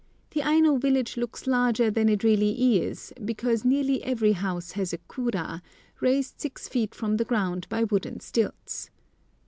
The Aino village looks larger than it really is, because nearly every house has a kura, raised six feet from the ground by wooden stilts.